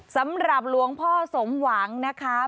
สำหรับหลวงพ่อสมหวังนะคะ